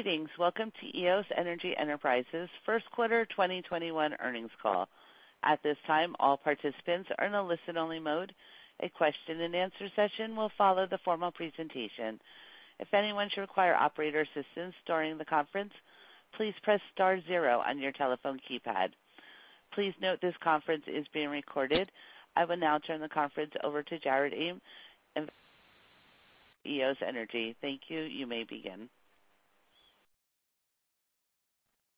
Greetings. Welcome to Eos Energy Enterprises First Quarter 2021 Earnings Call. At this time, all participants are in a listen-only mode. A question-and-answer session will follow the formal presentation. If anyone should require operator assistance during the conference, please press star zero on your telephone keypad. Please note this conference is being recorded. I will now turn the conference over to Jared Ehm [inaudible] and Eos Energy. Thank you. You may begin.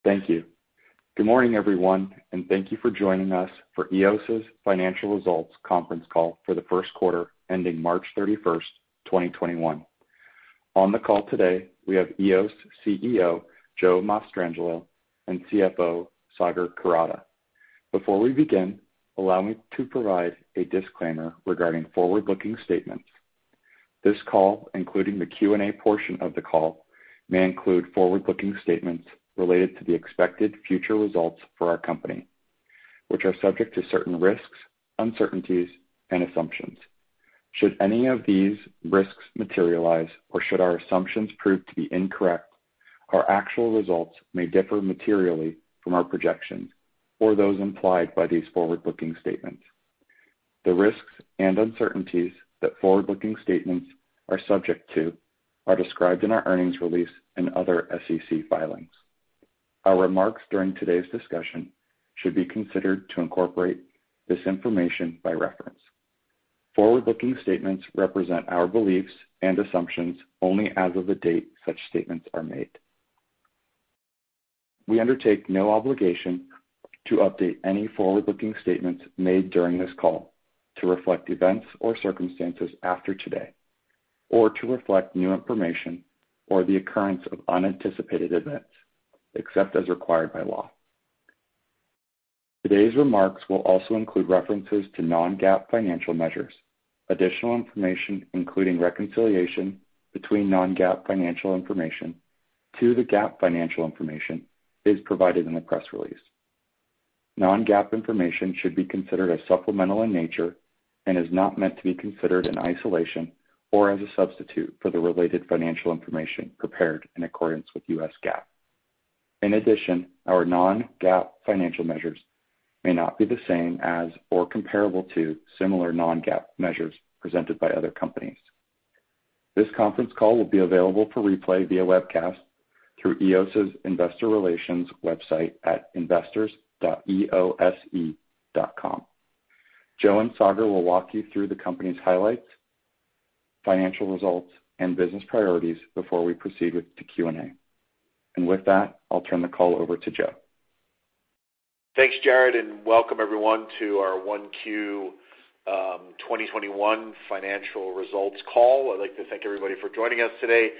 Thank you. Good morning, everyone, and thank you for joining us for Eos' financial results conference call for the first quarter ending March 31st, 2021. On the call today, we have Eos CEO, Joe Mastrangelo, and CFO, Sagar Kurada. Before we begin, allow me to provide a disclaimer regarding forward-looking statements. This call, including the Q&A portion of the call, may include forward-looking statements related to the expected future results for our company, which are subject to certain risks, uncertainties, and assumptions. Should any of these risks materialize or should our assumptions prove to be incorrect, our actual results may differ materially from our projections or those implied by these forward-looking statements. The risks and uncertainties that forward-looking statements are subject to are described in our earnings release and other SEC filings. Our remarks during today's discussion should be considered to incorporate this information by reference. Forward-looking statements represent our beliefs and assumptions only as of the date such statements are made. We undertake no obligation to update any forward-looking statements made during this call to reflect events or circumstances after today or to reflect new information or the occurrence of unanticipated events, except as required by law. Today's remarks will also include references to non-GAAP financial measures. Additional information, including reconciliation between non-GAAP financial information to the GAAP financial information, is provided in the press release. Non-GAAP information should be considered as supplemental in nature and is not meant to be considered in isolation or as a substitute for the related financial information prepared in accordance with U.S. GAAP. In addition, our non-GAAP financial measures may not be the same as or comparable to similar non-GAAP measures presented by other companies. This conference call will be available for replay via webcast through Eos' investor relations website at investors.eose.com. Joe and Sagar will walk you through the company's highlights, financial results, and business priorities before we proceed with the Q&A. With that, I'll turn the call over to Joe. Thanks, Jared, welcome everyone to our 1Q 2021 financial results call. I'd like to thank everybody for joining us today,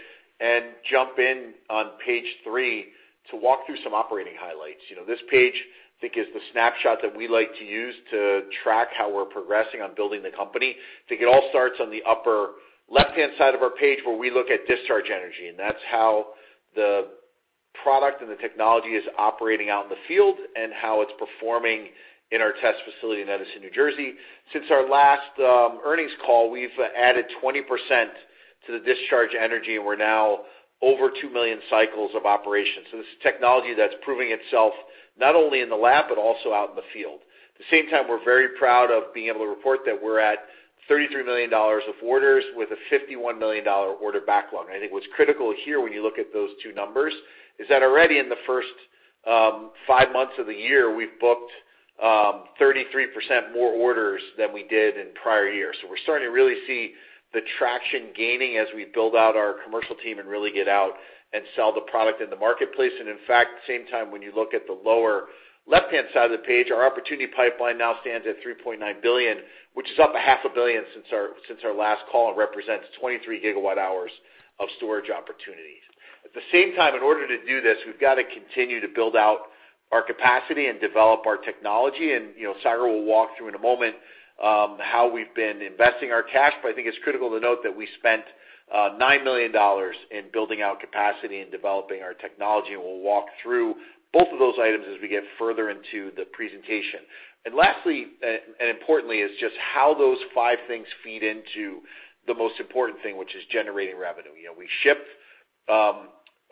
jump in on page three to walk through some operating highlights. This page, I think, is the snapshot that we like to use to track how we're progressing on building the company. I think it all starts on the upper left-hand side of our page, where we look at discharge energy, that's how the product and the technology is operating out in the field and how it's performing in our test facility in Edison, New Jersey. Since our last earnings call, we've added 20% to the discharge energy, we're now over two million cycles of operation. This is technology that's proving itself not only in the lab but also out in the field. At the same time, we're very proud of being able to report that we're at $33 million of orders with a $51 million order backlog. I think what's critical here when you look at those two numbers is that already in the first five months of the year, we've booked 33% more orders than we did in prior years. We're starting to really see the traction gaining as we build out our commercial team and really get out and sell the product in the marketplace. In fact, at the same time, when you look at the lower left-hand side of the page, our opportunity pipeline now stands at $3.9 billion, which is up $0.5 billion since our last call and represents 23 GWh of storage opportunities. At the same time, in order to do this, we've got to continue to build out our capacity and develop our technology. Sagar will walk through in a moment how we've been investing our cash. I think it's critical to note that we spent $9 million in building out capacity and developing our technology, and we'll walk through both of those items as we get further into the presentation. Lastly, and importantly, is just how those five things feed into the most important thing, which is generating revenue. We ship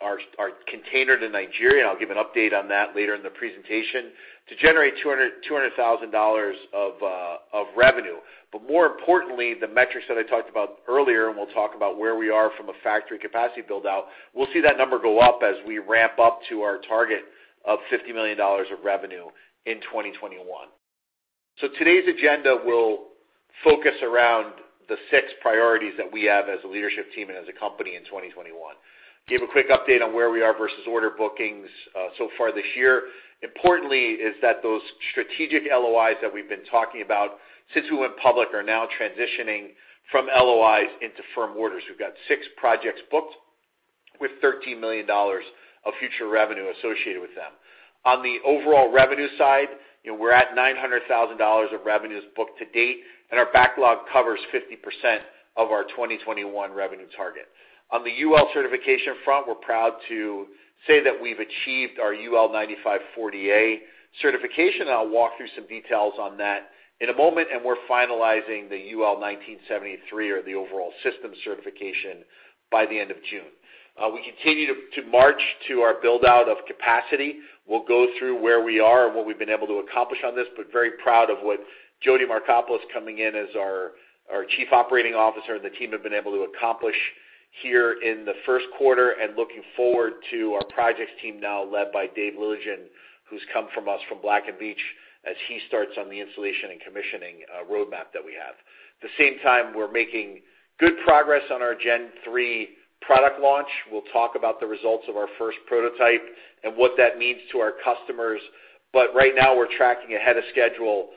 our container to Nigeria, and I'll give an update on that later in the presentation, to generate $200,000 of revenue. More importantly, the metrics that I talked about earlier, and we'll talk about where we are from a factory capacity build-out, we'll see that number go up as we ramp up to our target of $50 million of revenue in 2021. Today's agenda will focus around the six priorities that we have as a leadership team and as a company in 2021. Give a quick update on where we are versus order bookings so far this year. Importantly is that those strategic LOIs that we've been talking about since we went public are now transitioning from LOIs into firm orders. We've got six projects booked with $13 million of future revenue associated with them. On the overall revenue side, we're at $900,000 of revenues booked to date, and our backlog covers 50% of our 2021 revenue target. On the UL certification front, we're proud to say that we've achieved our UL 9540A certification, and I'll walk through some details on that in a moment, and we're finalizing the UL 1973 or the overall system certification by the end of June. We continue to march to our build-out of capacity. We'll go through where we are and what we've been able to accomplish on this, but very proud of what Jody Markopoulos coming in as our Chief Operating Officer and the team have been able to accomplish here in the first quarter, and looking forward to our projects team now led by David Leligdon, who's come from us from Black & Veatch, as he starts on the installation and commissioning roadmap that we have. At the same time, we're making good progress on our Gen 3 product launch. We'll talk about the results of our first prototype and what that means to our customers. Right now, we're tracking ahead of schedule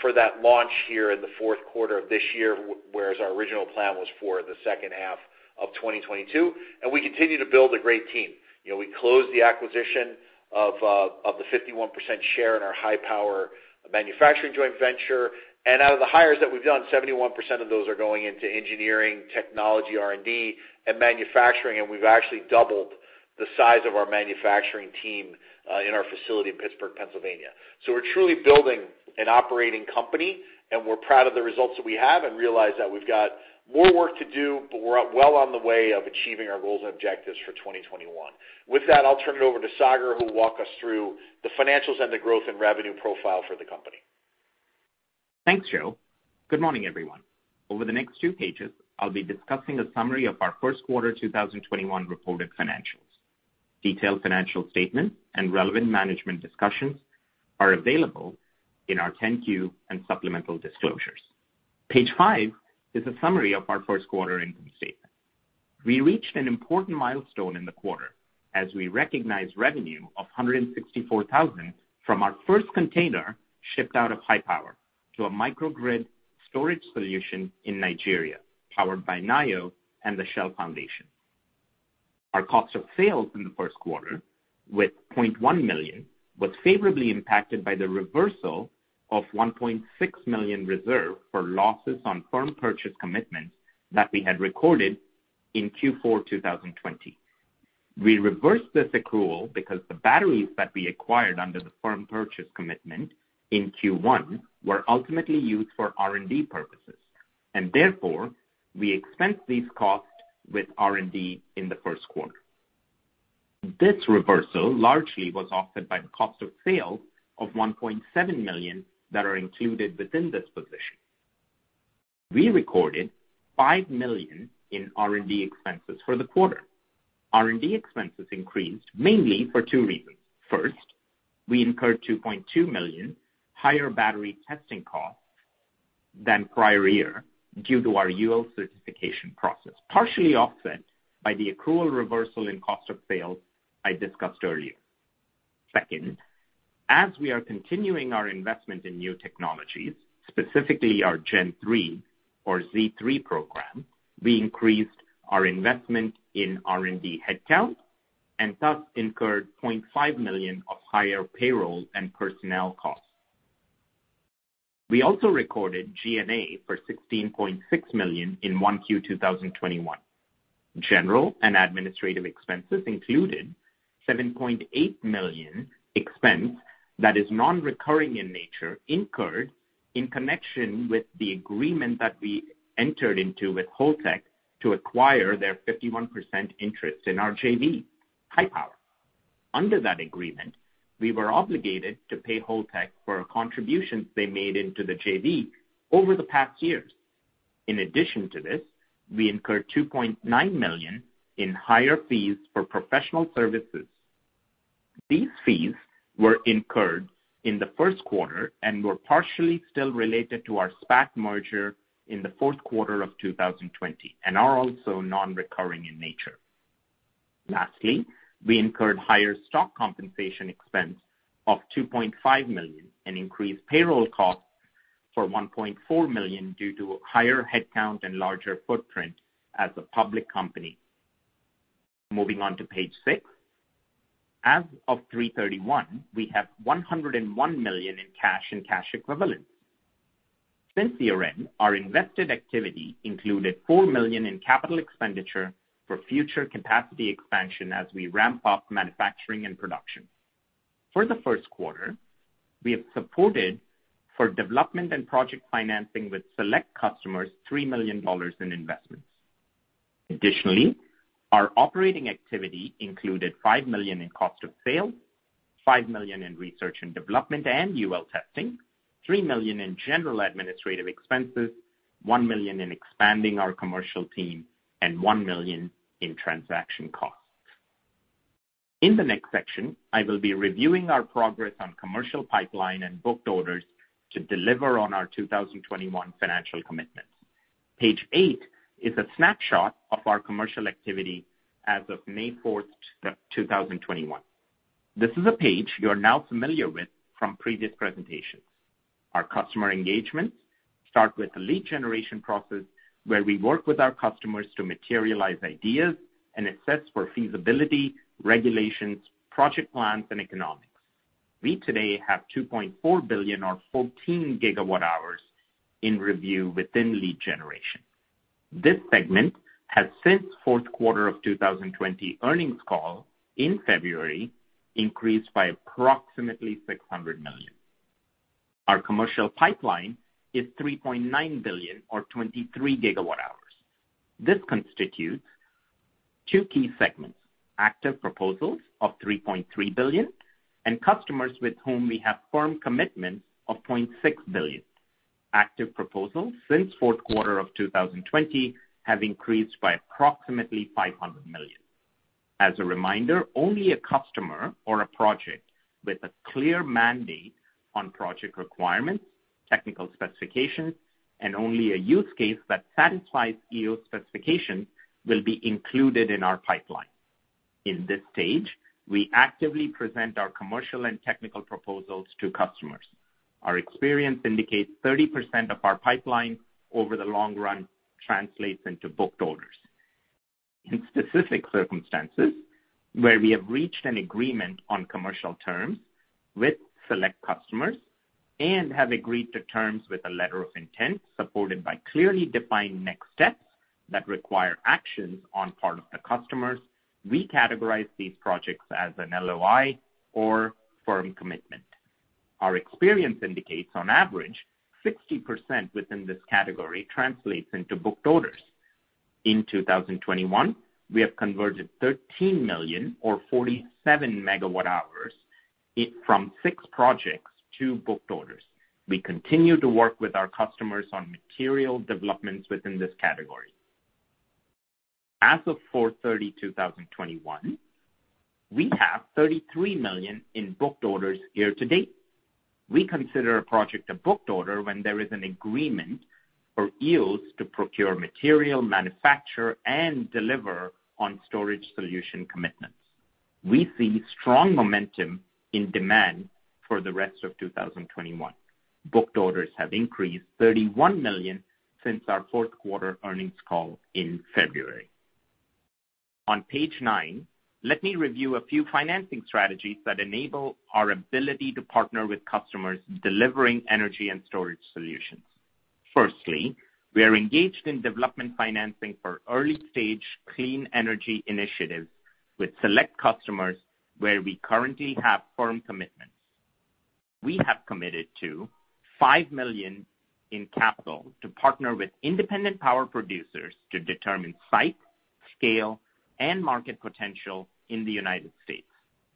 for that launch here in the fourth quarter of this year, whereas our original plan was for the second half of 2022. We continue to build a great team. We closed the acquisition of the 51% share in our HI-POWER manufacturing joint venture. Out of the hires that we've done, 71% of those are going into engineering, technology, R&D, and manufacturing, and we've actually doubled the size of our manufacturing team in our facility in Pittsburgh, Pennsylvania. We're truly building an operating company, and we're proud of the results that we have and realize that we've got more work to do, but we're well on the way of achieving our goals and objectives for 2021. With that, I'll turn it over to Sagar, who'll walk us through the financials and the growth and revenue profile for the company. Thanks, Joe. Good morning, everyone. Over the next two pages, I'll be discussing a summary of our first quarter 2021 reported financials. Detailed financial statements and relevant management discussions are available in our 10-Q and supplemental disclosures. Page five is a summary of our first quarter income statement. We reached an important milestone in the quarter as we recognized revenue of $164,000 from our first container shipped out of HI-POWER to a microgrid storage solution in Nigeria, powered by Nayo and the Shell Foundation. Our cost of sales in the first quarter, with $0.1 million, was favorably impacted by the reversal of $1.6 million reserve for losses on firm purchase commitments that we had recorded in Q4 2020. We reversed this accrual because the batteries that we acquired under the firm purchase commitment in Q1 were ultimately used for R&D purposes, and therefore, we expensed these costs with R&D in the first quarter. This reversal largely was offset by the cost of sale of $1.7 million that are included within this position. We recorded $5 million in R&D expenses for the quarter. R&D expenses increased mainly for two reasons. First, we incurred $2.2 million higher battery testing costs than prior year due to our UL certification process, partially offset by the accrual reversal in cost of sales I discussed earlier. Second, as we are continuing our investment in new technologies, specifically our Gen 3 or Z3 program, we increased our investment in R&D headcount and thus incurred $0.5 million of higher payroll and personnel costs. We also recorded G&A for $16.6 million in 1Q 2021. General and administrative expenses included $7.8 million expense that is non-recurring in nature incurred in connection with the agreement that we entered into with Holtec to acquire their 51% interest in our JV, HI-POWER. Under that agreement, we were obligated to pay Holtec for contributions they made into the JV over the past years. In addition to this, we incurred $2.9 million in higher fees for professional services. These fees were incurred in the first quarter and were partially still related to our SPAC merger in the fourth quarter of 2020 and are also non-recurring in nature. We incurred higher stock compensation expense of $2.5 million and increased payroll costs for $1.4 million due to higher headcount and larger footprint as a public company. Moving on to page six. As of 3/31, we have $101 million in cash and cash equivalents. Since year-end, our invested activity included $4 million in capital expenditure for future capacity expansion as we ramp up manufacturing and production. For the first quarter, we have supported for development and project financing with select customers, $3 million in investments. Additionally, our operating activity included $5 million in cost of sales, $5 million in research and development and UL testing, $3 million in general administrative expenses, $1 million in expanding our commercial team, and $1 million in transaction costs. In the next section, I will be reviewing our progress on commercial pipeline and booked orders to deliver on our 2021 financial commitments. Page eight is a snapshot of our commercial activity as of May 4th, 2021. This is a page you are now familiar with from previous presentations. Our customer engagements start with the lead generation process, where we work with our customers to materialize ideas and assess for feasibility, regulations, project plans, and economics. We today have $2.4 billion or 14 GWh in review within lead generation. This segment has, since fourth quarter of 2020 earnings call in February, increased by approximately $600 million. Our commercial pipeline is $3.9 billion or 23 GWh. This constitutes two key segments: active proposals of $3.3 billion and customers with whom we have firm commitments of $0.6 billion. Active proposals since fourth quarter of 2020 have increased by approximately $500 million. As a reminder, only a customer or a project with a clear mandate on project requirements, technical specifications, and only a use case that satisfies Eos specifications will be included in our pipeline. In this stage, we actively present our commercial and technical proposals to customers. Our experience indicates 30% of our pipeline over the long run translates into booked orders. In specific circumstances where we have reached an agreement on commercial terms with select customers and have agreed to terms with a letter of intent supported by clearly defined next steps that require actions on part of the customers, we categorize these projects as an LOI or firm commitment. Our experience indicates, on average, 60% within this category translates into booked orders. In 2021, we have converted $13 million or 47 MWh from six projects to booked orders. We continue to work with our customers on material developments within this category. As of 04/30/2021, we have $33 million in booked orders year to date. We consider a project a booked order when there is an agreement for Eos to procure material, manufacture, and deliver on storage solution commitments. We see strong momentum in demand for the rest of 2021. Booked orders have increased $31 million since our fourth quarter earnings call in February. On page nine, let me review a few financing strategies that enable our ability to partner with customers delivering energy and storage solutions. Firstly, we are engaged in development financing for early-stage clean energy initiatives with select customers where we currently have firm commitments. We have committed to $5 million in capital to partner with independent power producers to determine site, scale, and market potential in the United States.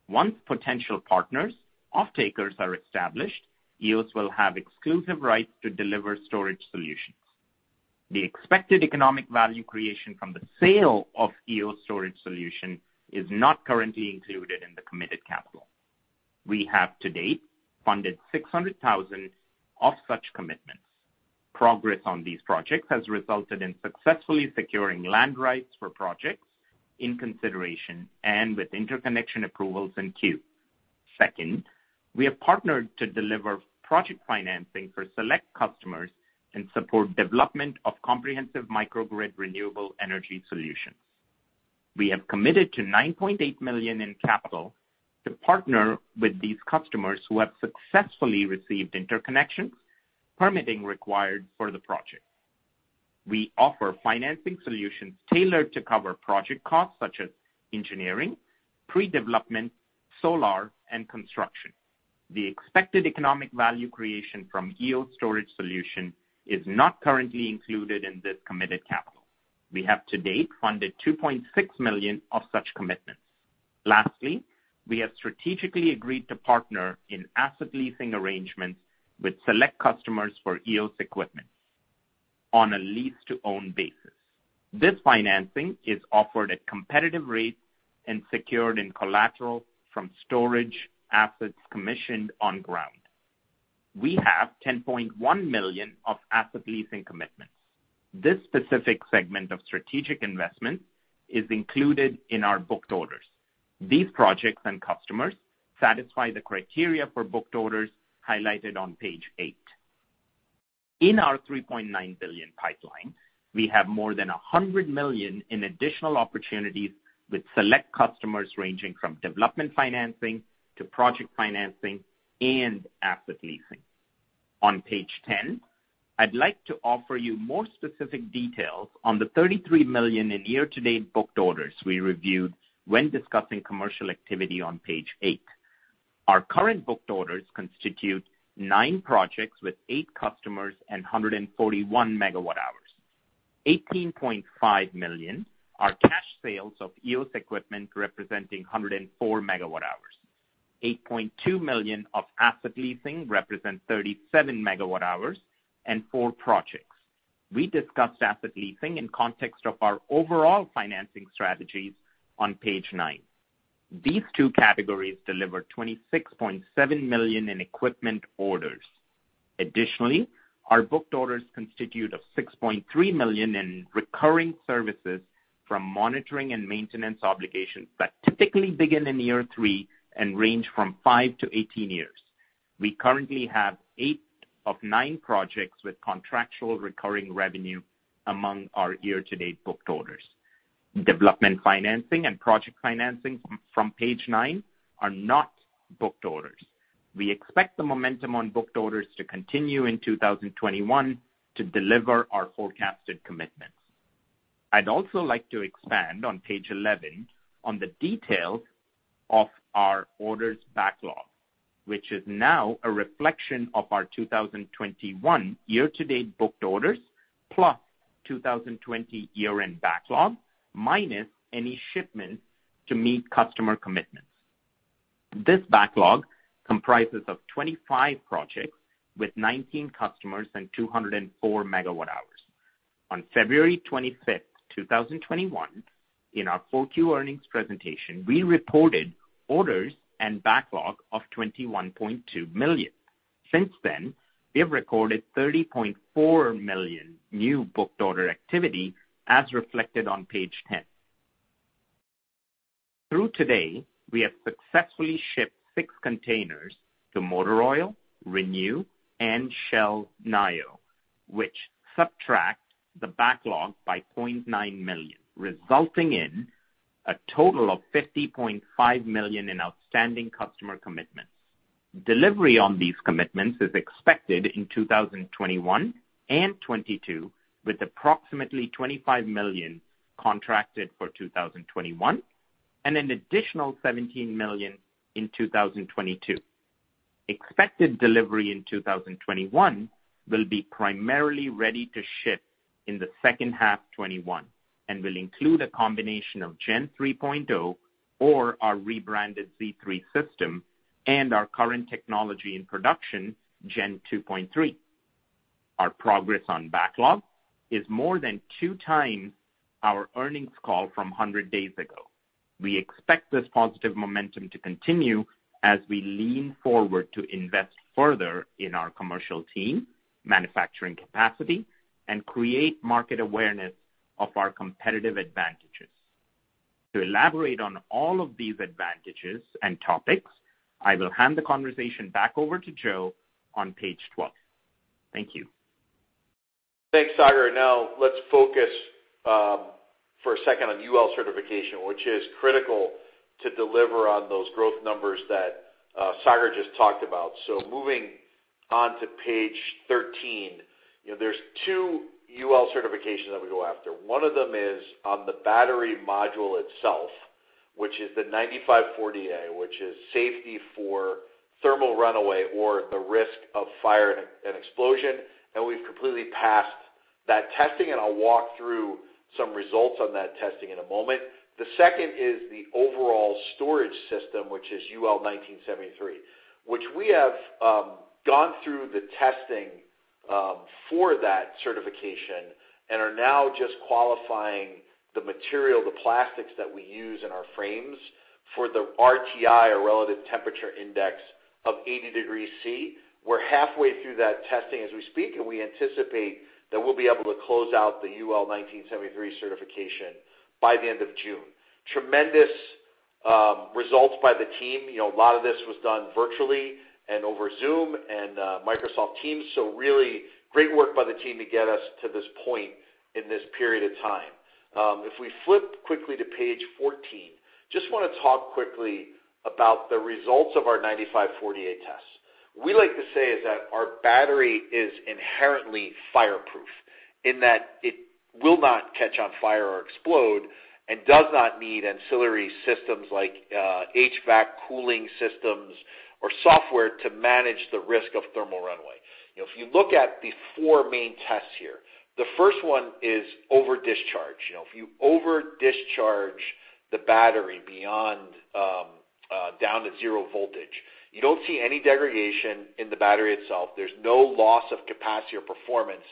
Once potential partners, off-takers, are established, Eos will have exclusive rights to deliver storage solutions. The expected economic value creation from the sale of Eos storage solution is not currently included in the committed capital. We have to date funded $600,000 of such commitments. Progress on these projects has resulted in successfully securing land rights for projects in consideration and with interconnection approvals in queue. Second, we have partnered to deliver project financing for select customers and support development of comprehensive microgrid renewable energy solutions. We have committed to $9.8 million in capital to partner with these customers who have successfully received interconnections, permitting required for the project. We offer financing solutions tailored to cover project costs such as engineering, pre-development, solar, and construction. The expected economic value creation from Eos storage solution is not currently included in this committed capital. We have to date funded $2.6 million of such commitments. Lastly, we have strategically agreed to partner in asset leasing arrangements with select customers for Eos equipment on a lease-to-own basis. This financing is offered at competitive rates and secured in collateral from storage assets commissioned on ground. We have $10.1 million of asset leasing commitments. This specific segment of strategic investment is included in our booked orders. These projects and customers satisfy the criteria for booked orders highlighted on page eight. In our $3.9 billion pipeline, we have more than $100 million in additional opportunities with select customers ranging from development financing to project financing and asset leasing. On page 10, I'd like to offer you more specific details on the $33 million in year-to-date booked orders we reviewed when discussing commercial activity on page eight. Our current booked orders constitute nine projects with eight customers and 141 MWh. $18.5 million are cash sales of Eos equipment representing 104 MWh. $8.2 million of asset leasing represents 37 MWh and four projects. We discussed asset leasing in context of our overall financing strategies on page nine. These two categories deliver $26.7 million in equipment orders. Additionally, our booked orders constitute of $6.3 million in recurring services from monitoring and maintenance obligations that typically begin in year three and range from five to 18 years. We currently have eight of nine projects with contractual recurring revenue among our year-to-date booked orders. Development financing and project financing from page nine are not booked orders. We expect the momentum on booked orders to continue in 2021 to deliver our forecasted commitments. I'd also like to expand on page 11 on the details of our orders backlog, which is now a reflection of our 2021 year-to-date booked orders, plus 2020 year-end backlog, minus any shipments to meet customer commitments. This backlog comprises of 25 projects with 19 customers and 204 MWh. On February 25th, 2021, in our 4Q earnings presentation, we reported orders and backlog of $21.2 million. Since then, we have recorded $30.4 million new booked order activity, as reflected on page 10. Through today, we have successfully shipped six containers to Motor Oil, ReNew, and Shell Nayo, which subtract the backlog by $0.9 million, resulting in a total of $50.5 million in outstanding customer commitments. Delivery on these commitments is expected in 2021 and 2022, with approximately $25 million contracted for 2021, and an additional $17 million in 2022. Expected delivery in 2021 will be primarily ready to ship in the second half 2021, and will include a combination of Gen 3.0 or our rebranded Z3 system and our current technology in production, Gen 2.3. Our progress on backlog is more than two times our earnings call from 100 days ago. We expect this positive momentum to continue as we lean forward to invest further in our commercial team, manufacturing capacity, and create market awareness of our competitive advantages. To elaborate on all of these advantages and topics, I will hand the conversation back over to Joe on page 12. Thank you. Thanks, Sagar. Now let's focus for a second on UL certification, which is critical to deliver on those growth numbers that Sagar just talked about. Moving on to page 13. There's two UL certifications that we go after. One of them is on the battery module itself, which is the UL 9540A, which is safety for thermal runaway or the risk of fire and explosion. We've completely passed that testing, and I'll walk through some results on that testing in a moment. The second is the overall storage system, which is UL 1973, which we have gone through the testing for that certification and are now just qualifying the material, the plastics that we use in our frames for the RTI, or Relative Temperature Index, of 80 degrees C. We're halfway through that testing as we speak, and we anticipate that we'll be able to close out the UL 1973 certification by the end of June. Tremendous results by the team. A lot of this was done virtually and over Zoom and Microsoft Teams, so really great work by the team to get us to this point in this period of time. If we flip quickly to page 14, just want to talk quickly about the results of our 9540A tests. We like to say that our battery is inherently fireproof in that it will not catch on fire or explode, and does not need ancillary systems like HVAC cooling systems or software to manage the risk of thermal runaway. If you look at the four main tests here, the first one is over discharge. If you over discharge the battery beyond down to zero voltage, you don't see any degradation in the battery itself. There's no loss of capacity or performance,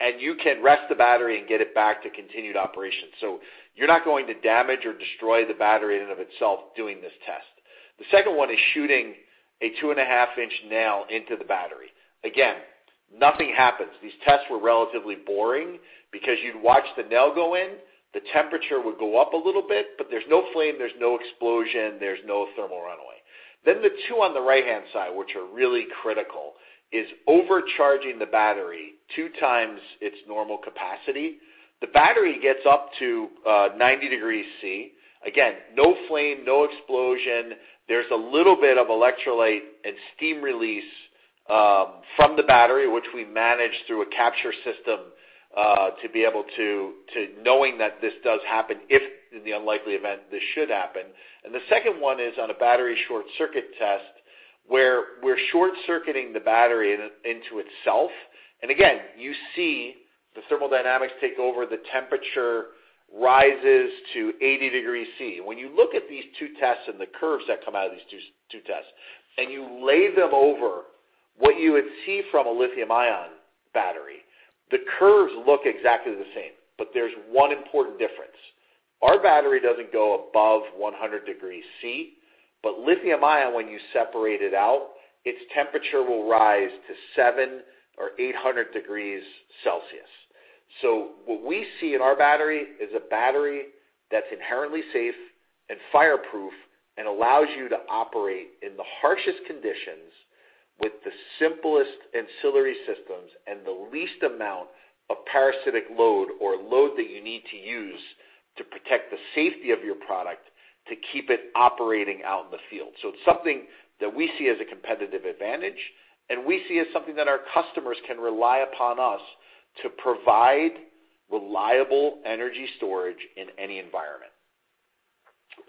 and you can rest the battery and get it back to continued operation. You're not going to damage or destroy the battery in and of itself doing this test. The second one is shooting a 2.5 in nail into the battery. Again, nothing happens. These tests were relatively boring because you'd watch the nail go in, the temperature would go up a little bit, but there's no flame, there's no explosion, there's no thermal runaway. The two on the right-hand side, which are really critical, is overcharging the battery 2x its normal capacity. The battery gets up to 90 degrees C. Again, no flame, no explosion. There's a little bit of electrolyte and steam release from the battery, which we manage through a capture system to be able to knowing that this does happen if in the unlikely event this should happen. The second one is on a battery short circuit test, where we're short-circuiting the battery into itself. Again, you see the thermodynamics take over, the temperature rises to 80 degrees C. When you look at these two tests and the curves that come out of these two tests, and you lay them over what you would see from a lithium-ion battery, the curves look exactly the same. There's one important difference. Our battery doesn't go above 100 degrees C. Lithium ion, when you separate it out, its temperature will rise to 700 or 800 degrees Celsius. What we see in our battery is a battery that's inherently safe and fireproof and allows you to operate in the harshest conditions with the simplest ancillary systems and the least amount of parasitic load or load that you need to use to protect the safety of your product to keep it operating out in the field. It's something that we see as a competitive advantage, and we see as something that our customers can rely upon us to provide reliable energy storage in any environment.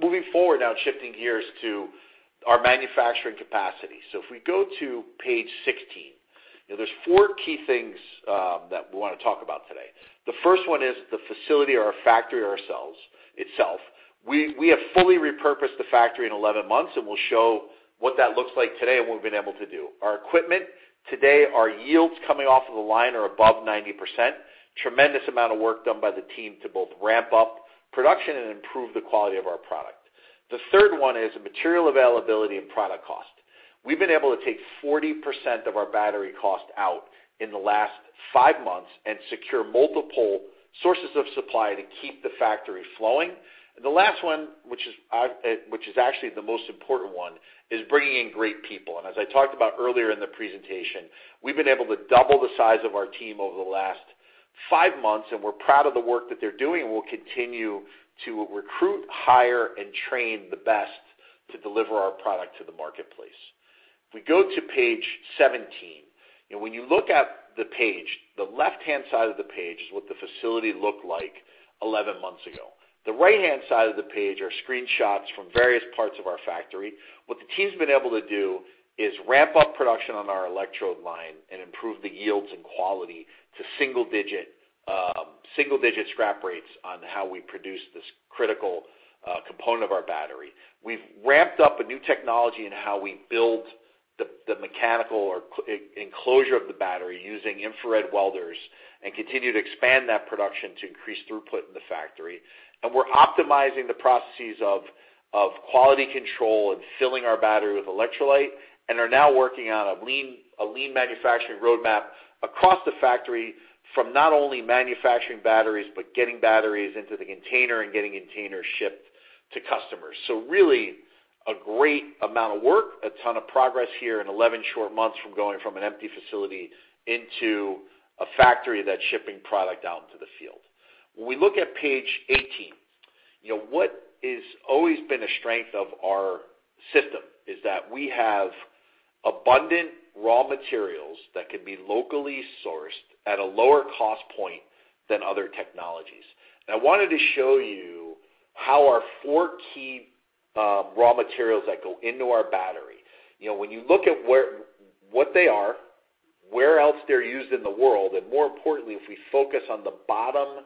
Moving forward now, shifting gears to our manufacturing capacity. If we go to page 16, there's four key things that we want to talk about today. The first one is the facility or our factory ourselves itself. We have fully repurposed the factory in 11 months. We'll show what that looks like today and what we've been able to do. Our equipment today, our yields coming off of the line are above 90%. Tremendous amount of work done by the team to both ramp up production and improve the quality of our product. The third one is material availability and product cost. We've been able to take 40% of our battery cost out in the last five months and secure multiple sources of supply to keep the factory flowing. The last one, which is actually the most important one, is bringing in great people. As I talked about earlier in the presentation, we've been able to double the size of our team over the last five months, and we're proud of the work that they're doing, and we'll continue to recruit, hire, and train the best to deliver our product to the marketplace. If we go to page 17, and when you look at the page, the left-hand side of the page is what the facility looked like 11 months ago. The right-hand side of the page are screenshots from various parts of our factory. What the team's been able to do is ramp up production on our electrode line and improve the yields and quality to single-digit scrap rates on how we produce this critical component of our battery. We've ramped up a new technology in how we build the mechanical or enclosure of the battery using infrared welders, and continue to expand that production to increase throughput in the factory. We're optimizing the processes of quality control and filling our battery with electrolyte, and are now working on a lean manufacturing roadmap across the factory from not only manufacturing batteries, but getting batteries into the container and getting containers shipped to customers. Really a great amount of work, a ton of progress here in 11 short months from going from an empty facility into a factory that's shipping product out into the field. When we look at page 18, what has always been a strength of our system is that we have abundant raw materials that can be locally sourced at a lower cost point than other technologies. I wanted to show you how our four key raw materials that go into our battery. When you look at what they are, where else they're used in the world, and more importantly, if we focus on the bottom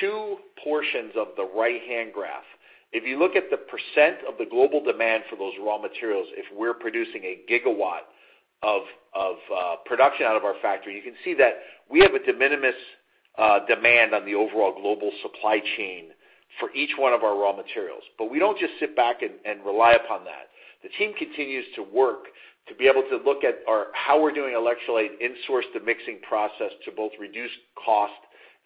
two portions of the right-hand graph. If you look at the percent of the global demand for those raw materials, if we're producing a gigawatt of production out of our factory, you can see that we have a de minimis demand on the overall global supply chain for each one of our raw materials. We don't just sit back and rely upon that. The team continues to work to be able to look at how we're doing electrolyte in-source the mixing process to both reduce cost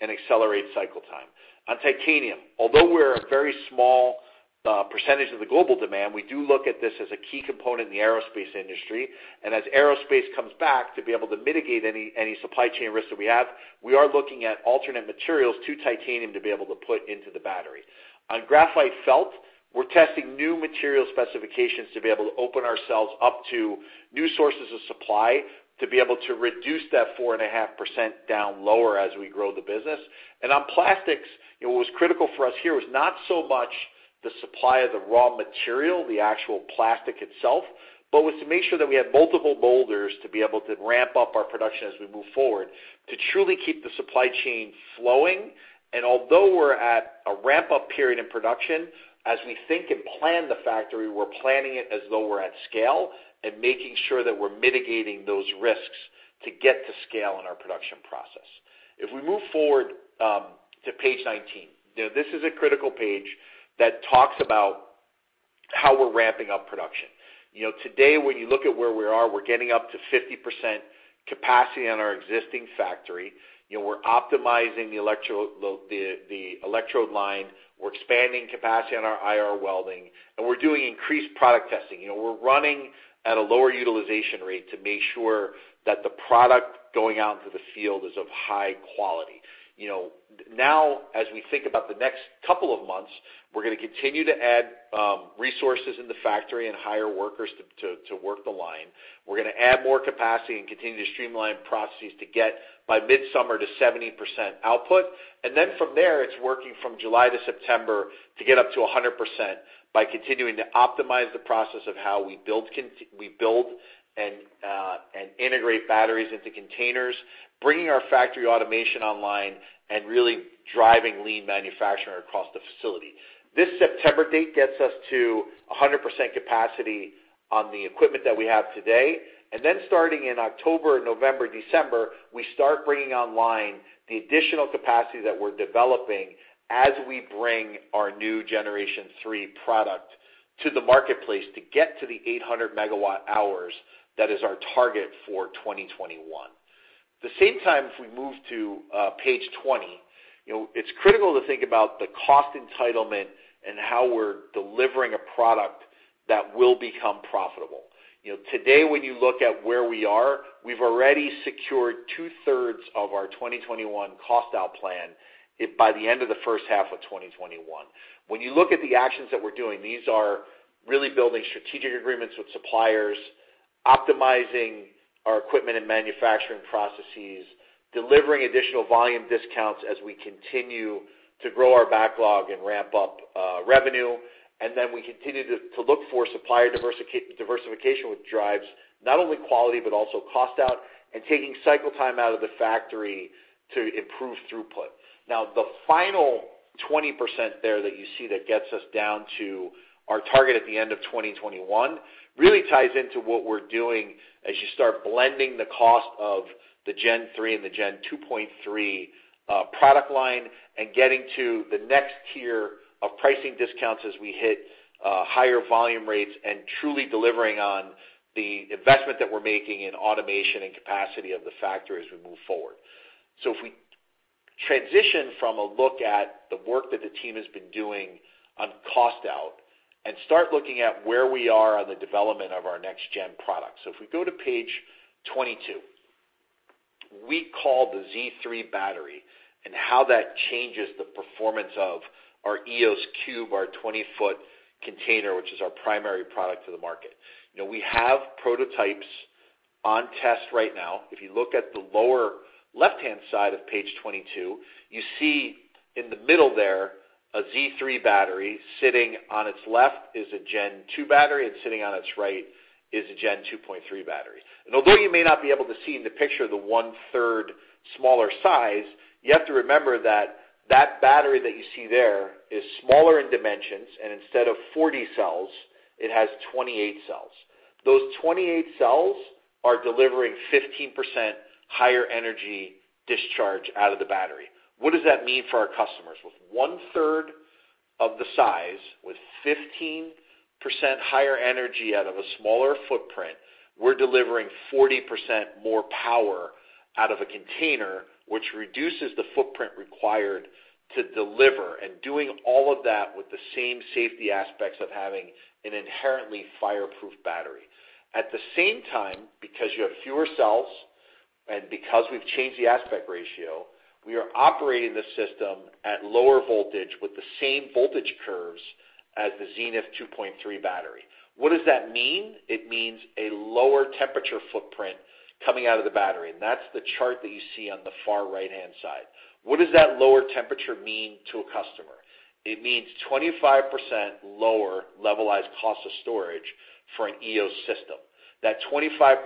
and accelerate cycle time. On titanium, although we're a very small percentage of the global demand, we do look at this as a key component in the aerospace industry. As aerospace comes back, to be able to mitigate any supply chain risks that we have, we are looking at alternate materials to titanium to be able to put into the battery. On graphite felt, we're testing new material specifications to be able to open ourselves up to new sources of supply to be able to reduce that 4.5% down lower as we grow the business. On plastics, what was critical for us here was not so much the supply of the raw material, the actual plastic itself, but was to make sure that we had multiple molders to be able to ramp up our production as we move forward to truly keep the supply chain flowing. Although we're at a ramp-up period in production, as we think and plan the factory, we're planning it as though we're at scale and making sure that we're mitigating those risks to get to scale in our production process. If we move forward to page 19, this is a critical page that talks about how we're ramping up production. Today, when you look at where we are, we're getting up to 50% capacity on our existing factory. We're optimizing the electrode line. We're expanding capacity on our IR welding, and we're doing increased product testing. We're running at a lower utilization rate to make sure that the product going out into the field is of high quality. As we think about the next couple of months, we're going to continue to add resources in the factory and hire workers to work the line. We're going to add more capacity and continue to streamline processes to get by midsummer to 70% output. From there, it's working from July to September to get up to 100% by continuing to optimize the process of how we build and integrate batteries into containers, bringing our factory automation online, and really driving lean manufacturing across the facility. This September date gets us to 100% capacity on the equipment that we have today. Starting in October, November, December, we start bringing online the additional capacity that we're developing as we bring our new Generation III product to the marketplace to get to the 800 MWh that is our target for 2021. The same time, if we move to page 20, it's critical to think about the cost entitlement and how we're delivering a product that will become profitable. Today, when you look at where we are, we've already secured 2/3 of our 2021 cost out plan by the end of the first half of 2021. When you look at the actions that we're doing, these are really building strategic agreements with suppliers, optimizing our equipment and manufacturing processes, delivering additional volume discounts as we continue to grow our backlog and ramp up revenue. We continue to look for supplier diversification with drives, not only quality, but also cost out, and taking cycle time out of the factory to improve throughput. The final 20% there that you see that gets us down to our target at the end of 2021 really ties into what we're doing as you start blending the cost of the Gen 3 and the Gen 2.3 product line and getting to the next tier of pricing discounts as we hit higher volume rates and truly delivering on the investment that we're making in automation and capacity of the factory as we move forward. If we transition from a look at the work that the team has been doing on cost out and start looking at where we are on the development of our next-gen product. If we go to page 22, we call the Z3 battery and how that changes the performance of our Eos Cube, our 20-ft container, which is our primary product to the market. We have prototypes on test right now. If you look at the lower left-hand side of page 22, you see in the middle there a Z3 battery. Sitting on its left is a Gen 2 battery, and sitting on its right is a Gen 2.3 battery. Although you may not be able to see in the picture the 1/3 smaller size, you have to remember that that battery that you see there is smaller in dimensions, and instead of 40 cells, it has 28 cells. Those 28 cells are delivering 15% higher energy discharge out of the battery. What does that mean for our customers? With 1/3 of the size, with 15% higher energy out of a smaller footprint, we're delivering 40% more power out of a container, which reduces the footprint required to deliver, and doing all of that with the same safety aspects of having an inherently fireproof battery. At the same time, because you have fewer cells and because we've changed the aspect ratio, we are operating the system at lower voltage with the same voltage curves as the Znyth Gen 2.3 battery. What does that mean? It means a lower temperature footprint coming out of the battery, and that's the chart that you see on the far right-hand side. What does that lower temperature mean to a customer? It means 25% lower levelized cost of storage for an Eos system. That 25%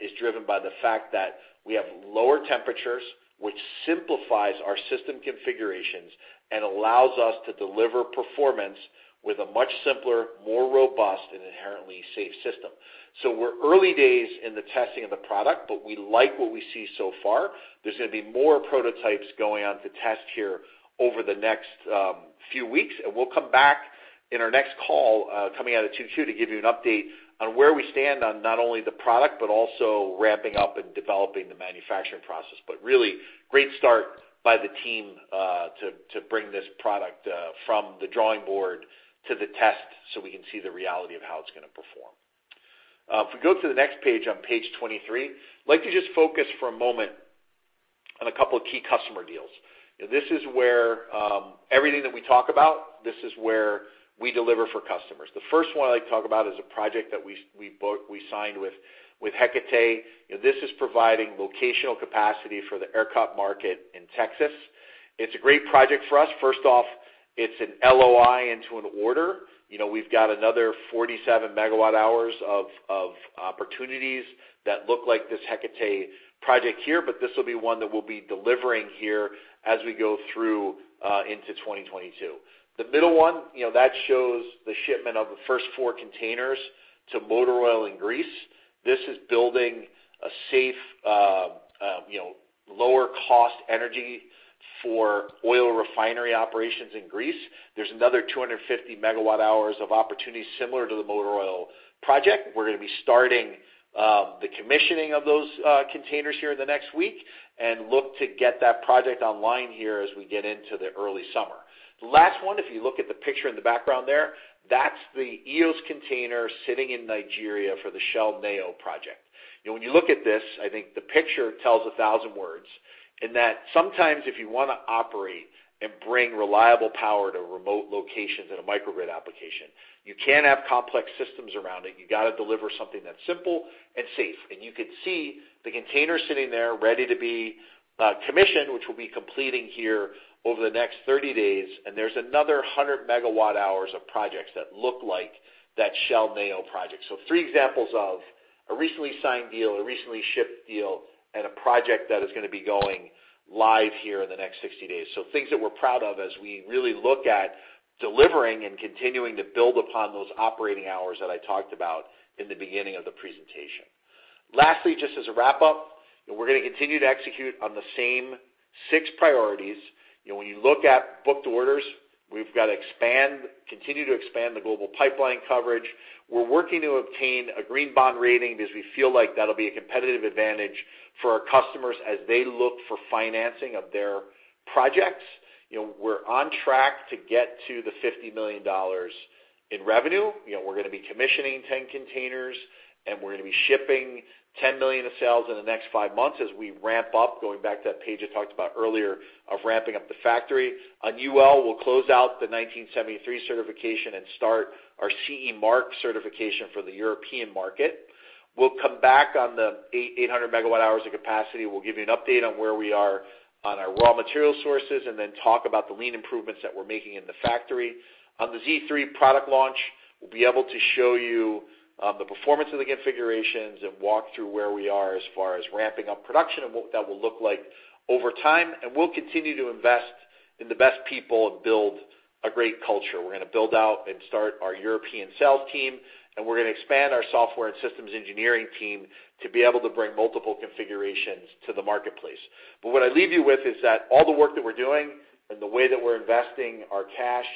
is driven by the fact that we have lower temperatures, which simplifies our system configurations and allows us to deliver performance with a much simpler, more robust, and inherently safe system. We're early days in the testing of the product, but we like what we see so far. There's going to be more prototypes going on to test here over the next few weeks, and we'll come back in our next call, coming out of Q2, to give you an update on where we stand on not only the product, but also ramping up and developing the manufacturing process. Really great start by the team to bring this product from the drawing board to the test so we can see the reality of how it's going to perform. If we go to the next page, on page 23, I'd like to just focus for a moment on a couple of key customer deals. Everything that we talk about, this is where we deliver for customers. The first one I'd like to talk about is a project that we signed with Hecate. This is providing locational capacity for the ERCOT market in Texas. It's a great project for us. First off, it's an LOI into an order. We've got another 47 MWh of opportunities that look like this Hecate project here. This will be one that we'll be delivering here as we go through into 2022. The middle one, that shows the shipment of the first four containers to Motor Oil in Greece. This is building a safe lower cost energy for oil refinery operations in Greece. There's another 250 MWh of opportunities similar to the Motor Oil project. We're going to be starting the commissioning of those containers here in the next week and look to get that project online here as we get into the early summer. The last one, if you look at the picture in the background there, that's the Eos container sitting in Nigeria for the Shell Nayo project. When you look at this, I think the picture tells 1,000 words, and that sometimes if you want to operate and bring reliable power to remote locations in a microgrid application, you can't have complex systems around it. You got to deliver something that's simple and safe. You could see the container sitting there ready to be commissioned, which we'll be completing here over the next 30 days. There's another 100 MWh of projects that look like that Shell Nayo project. Three examples of a recently signed deal, a recently shipped deal, and a project that is going to be going live here in the next 60 days. Things that we're proud of as we really look at delivering and continuing to build upon those operating hours that I talked about in the beginning of the presentation. Lastly, just as a wrap-up, we're going to continue to execute on the same six priorities. When you look at booked orders, we've got to continue to expand the global pipeline coverage. We're working to obtain a green bond rating, as we feel like that'll be a competitive advantage for our customers as they look for financing of their projects. We're on track to get to the $50 million in revenue. We're going to be commissioning 10 containers, and we're going to be shipping 10 million of cells in the next five months as we ramp up, going back to that page I talked about earlier of ramping up the factory. On UL, we'll close out the 1973 certification and start our CE mark certification for the European market. We'll come back on the 800 MWh of capacity. We'll give you an update on where we are on our raw material sources and then talk about the lean improvements that we're making in the factory. On the Z3 product launch, we'll be able to show you the performance of the configurations and walk through where we are as far as ramping up production and what that will look like over time. We'll continue to invest in the best people and build a great culture. We're going to build out and start our European sales team, and we're going to expand our software and systems engineering team to be able to bring multiple configurations to the marketplace. What I leave you with is that all the work that we're doing and the way that we're investing our cash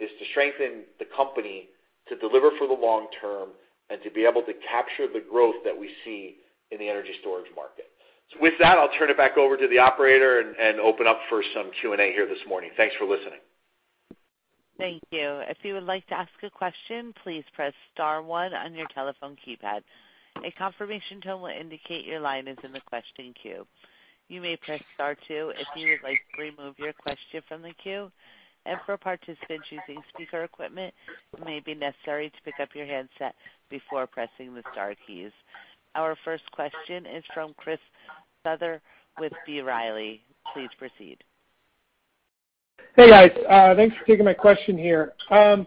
is to strengthen the company to deliver for the long term and to be able to capture the growth that we see in the energy storage market. With that, I'll turn it back over to the operator and open up for some Q&A here this morning. Thanks for listening. Thank you. If you would like to ask a question, please press star one on your telephone keypad. A confirmation tone will indicate your line is in the question queue. You may press star two if you would like to remove your question from the queue. For participants using speaker equipment, it may be necessary to pick up your handset before pressing the star keys. Our first question is from Christopher Souther with B. Riley. Please proceed. Hey, guys. Thanks for taking my question here. Based on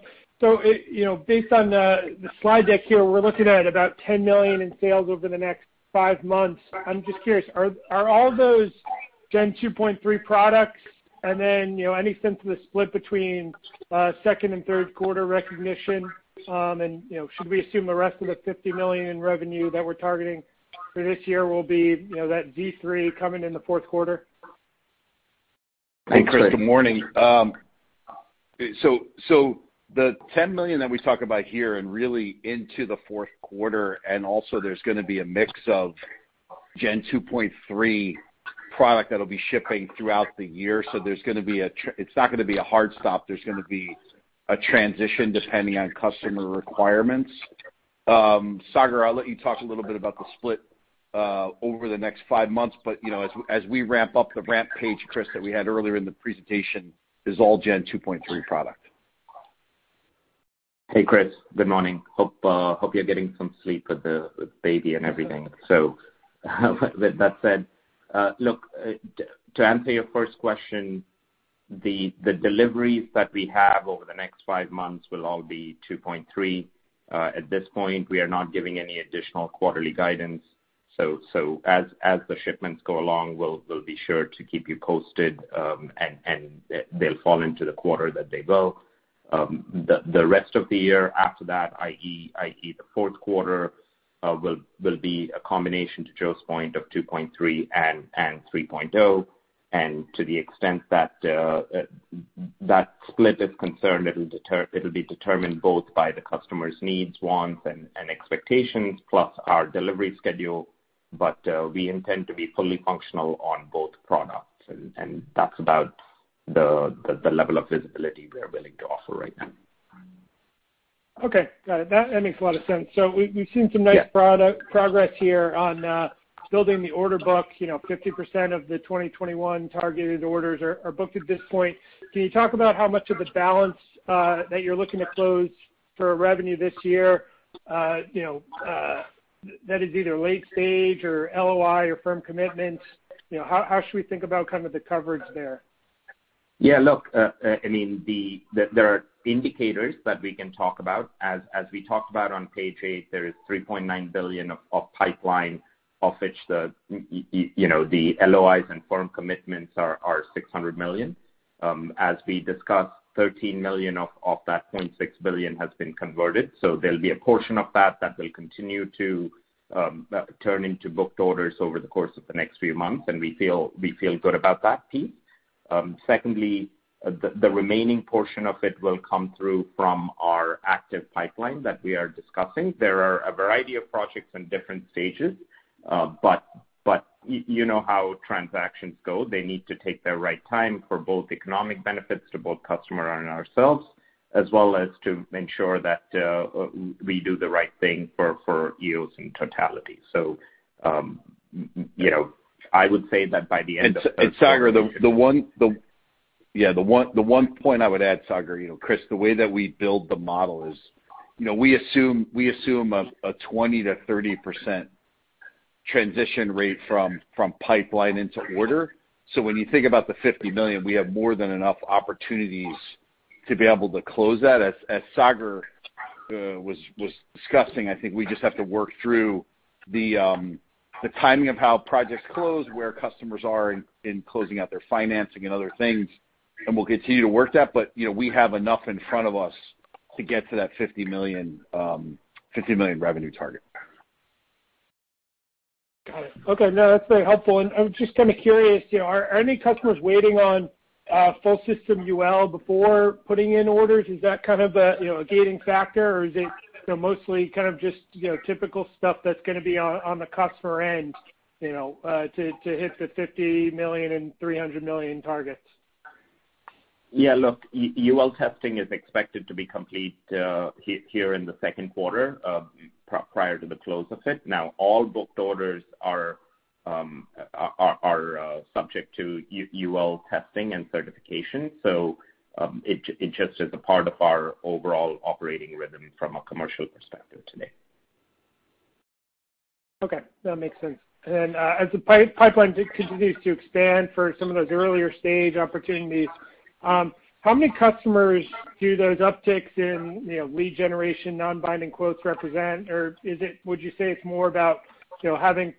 the slide deck here, we're looking at about $10 million in sales over the next five months. I'm just curious, are all those Gen 2.3 products? Any sense of the split between second and third quarter recognition? Should we assume the rest of the $50 million in revenue that we're targeting for this year will be that Z3 coming in the fourth quarter? Hey, Chris. Good morning. The $10 million that we talk about here and really into the fourth quarter, there's going to be a mix of Gen 2.3 product that'll be shipping throughout the year. It's not going to be a hard stop. There's going to be a transition depending on customer requirements. Sagar, I'll let you talk a little bit about the split over the next five months, as we ramp up the ramp page, Chris, that we had earlier in the presentation, is all Gen 2.3 product. Hey, Chris. Good morning. Hope you're getting some sleep with the baby and everything. With that said, to answer your first question, the deliveries that we have over the next five months will all be 2.3. At this point, we are not giving any additional quarterly guidance. As the shipments go along, we'll be sure to keep you posted, and they'll fall into the quarter that they will. The rest of the year after that, i.e., the fourth quarter, will be a combination, to Joe's point, of 2.3 and 3.0. To the extent that split is concerned, it'll be determined both by the customer's needs, wants, and expectations, plus our delivery schedule, but we intend to be fully functional on both products, and that's about the level of visibility we are willing to offer right now. Okay, got it. That makes a lot of sense. We've seen some nice- Yeah. Progress here on building the order book. 50% of the 2021 targeted orders are booked at this point. Can you talk about how much of the balance that you're looking to close for revenue this year that is either late stage or LOI or firm commitments? How should we think about kind of the coverage there? Yeah, look, there are indicators that we can talk about. As we talked about on page eight, there is $3.9 billion of pipeline, of which the LOIs and firm commitments are $600 million. As we discussed, $13 million of that $0.6 billion has been converted. There'll be a portion of that that will continue to turn into booked orders over the course of the next few months, and we feel good about that piece. Secondly, the remaining portion of it will come through from our active pipeline that we are discussing. There are a variety of projects in different stages. You know how transactions go. They need to take their right time for both economic benefits to both customer and ourselves, as well as to make sure that we do the right thing for Eos in totality. I would say that by the end of. Sagar, the one point I would add, Sagar, Chris, the way that we build the model is we assume a 20%-30% transition rate from pipeline into order. When you think about the $50 million, we have more than enough opportunities to be able to close that. As Sagar was discussing, I think we just have to work through the timing of how projects close, where customers are in closing out their financing and other things, and we'll continue to work that. We have enough in front of us to get to that $50 million revenue target. Got it. Okay. No, that's very helpful. I'm just curious, are any customers waiting on a full system UL before putting in orders? Is that a gating factor? Is it mostly just typical stuff that's going to be on the customer end to hit the $50 million and $300 million targets? Yeah, look, UL testing is expected to be complete here in the second quarter, prior to the close of it. Now, all booked orders are subject to UL testing and certification. It just is a part of our overall operating rhythm from a commercial perspective today. Okay. That makes sense. As the pipeline continues to expand for some of those earlier stage opportunities, how many customers do those upticks in lead generation, non-binding quotes represent? Or would you say it is more about having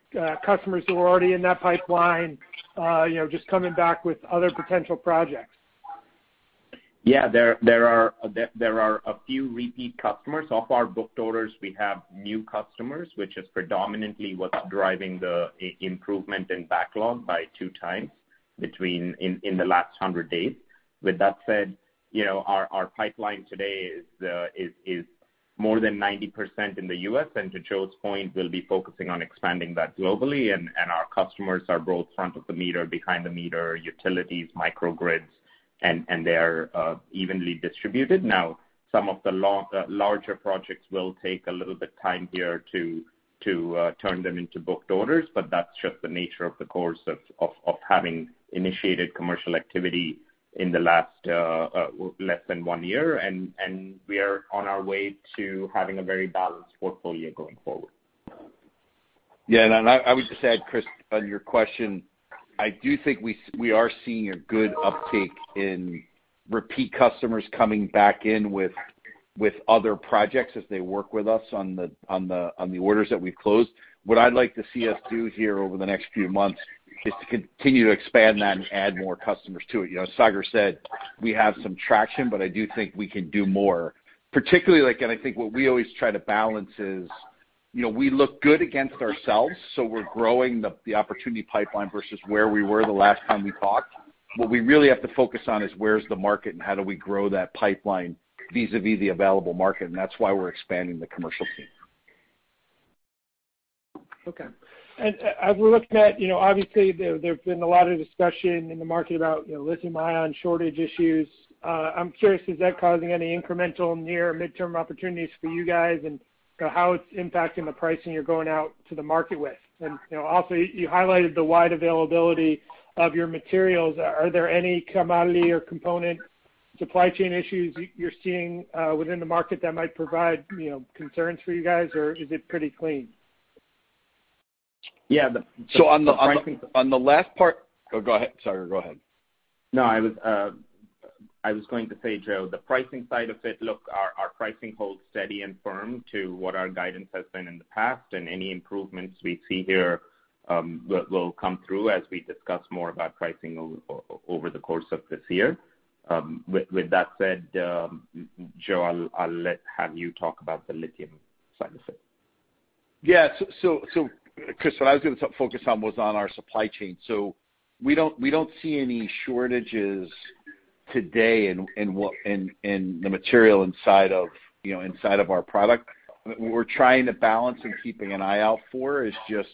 customers who are already in that pipeline just coming back with other potential projects? Yeah, there are a few repeat customers. Of our booked orders, we have new customers, which is predominantly what's driving the improvement in backlog by 2x in the last 100 days. With that said, our pipeline today is more than 90% in the U.S., and to Joe's point, we'll be focusing on expanding that globally. Our customers are both front of the meter, behind the meter, utilities, microgrids, and they are evenly distributed. Now, some of the larger projects will take a little bit time here to turn them into booked orders, but that's just the nature of the course of having initiated commercial activity in the last less than one year. We are on our way to having a very balanced portfolio going forward. Yeah, I would just add, Chris, on your question, I do think we are seeing a good uptake in repeat customers coming back in with other projects as they work with us on the orders that we've closed. What I'd like to see us do here over the next few months is to continue to expand that and add more customers to it. Sagar said we have some traction, I do think we can do more. Particularly, I think what we always try to balance is, we look good against ourselves, we're growing the opportunity pipeline versus where we were the last time we talked. What we really have to focus on is where's the market how do we grow that pipeline vis-a-vis the available market, that's why we're expanding the commercial team. Okay. As we're looking at, obviously, there's been a lot of discussion in the market about lithium ion shortage issues. I'm curious, is that causing any incremental near midterm opportunities for you guys and how it's impacting the pricing you're going out to the market with? Also, you highlighted the wide availability of your materials. Are there any commodity or component supply chain issues you're seeing within the market that might provide concerns for you guys, or is it pretty clean? Yeah- On the last part Oh, go ahead. Sagar, go ahead. No, I was going to say, Joe, the pricing side of it, look, our pricing holds steady and firm to what our guidance has been in the past, and any improvements we see here will come through as we discuss more about pricing over the course of this year. With that said, Joe, I'll let have you talk about the lithium side of it. Yeah. Chris, what I was going to focus on was on our supply chain. We don't see any shortages today in the material inside of our product. What we're trying to balance and keeping an eye out for is just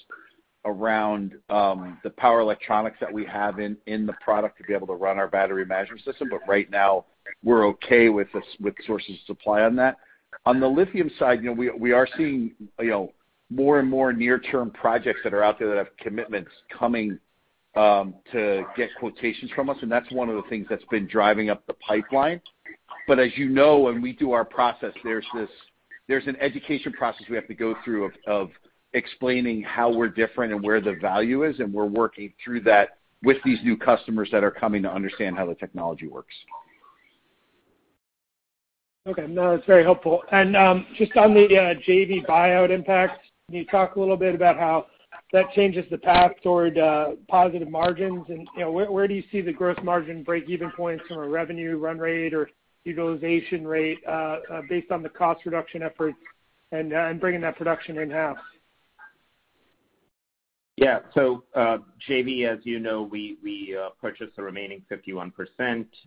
around the power electronics that we have in the product to be able to run our battery management system. Right now, we're okay with sources of supply on that. On the lithium side, we are seeing more and more near-term projects that are out there that have commitments coming to get quotations from us, and that's one of the things that's been driving up the pipeline. As you know, when we do our process, there's an education process we have to go through of explaining how we're different and where the value is, and we're working through that with these new customers that are coming to understand how the technology works. Okay. No, that's very helpful. Just on the JV buyout impact, can you talk a little bit about how that changes the path toward positive margins, and where do you see the gross margin breakeven points from a revenue run rate or utilization rate, based on the cost reduction efforts and bringing that production in-house? JV, as you know, we purchased the remaining 51%.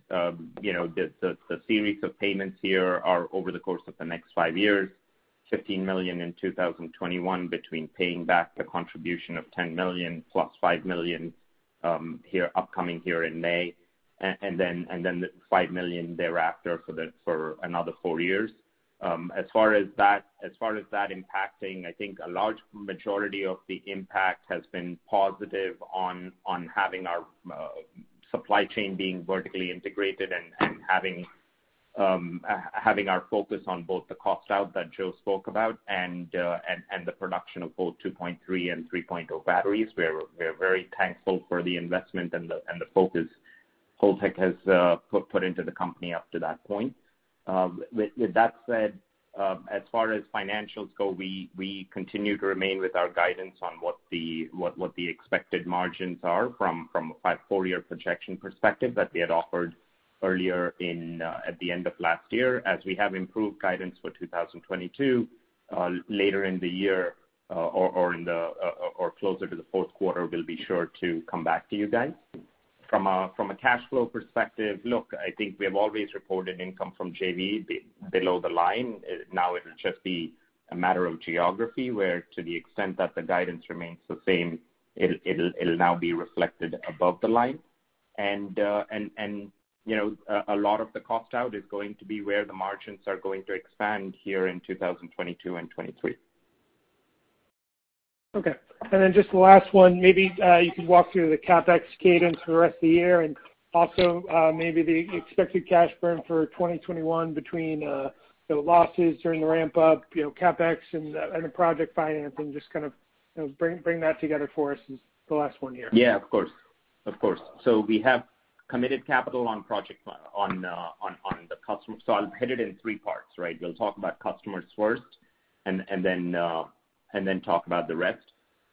The series of payments here are over the course of the next five years, $15 million in 2021 between paying back the contribution of $10 million plus $5 million upcoming here in May, and then the $5 million thereafter for another four years. As far as that impacting, I think a large majority of the impact has been positive on having our supply chain being vertically integrated and having our focus on both the cost out that Joe spoke about and the production of both 2.3 and 3.0 batteries. We're very thankful for the investment and the focus Holtec has put into the company up to that point. With that said, as far as financials go, we continue to remain with our guidance on what the expected margins are from a five, four-year projection perspective that we had offered earlier at the end of last year. As we have improved guidance for 2022, later in the year or closer to the fourth quarter, we'll be sure to come back to you guys. From a cash flow perspective, look, I think we have always reported income from JV below the line. Now it will just be a matter of geography, where to the extent that the guidance remains the same, it'll now be reflected above the line. A lot of the cost out is going to be where the margins are going to expand here in 2022 and 2023. Okay. Just the last one, maybe you could walk through the CapEx cadence for the rest of the year, and also maybe the expected cash burn for 2021 between the losses during the ramp up, CapEx and the project financing. Just kind of bring that together for us is the last one here. Yeah, of course. So, we have committed capital on the customer side headed in three parts, right? We'll talk about customers first and then talk about the rest.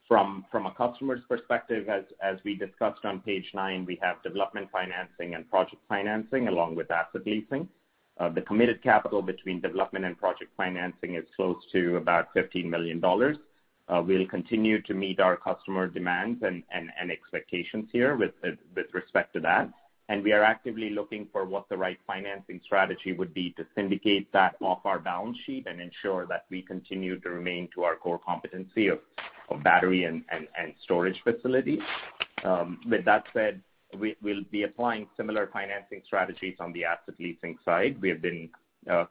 From a customer's perspective, as we discussed on page nine, we have development financing and project financing along with asset leasing. The committed capital between development and project financing is close to about $15 million. We'll continue to meet our customer demands and expectations here with respect to that. We are actively looking for what the right financing strategy would be to syndicate that off our balance sheet and ensure that we continue to remain to our core competency of battery and storage facilities. With that said, we'll be applying similar financing strategies on the asset leasing side. We have been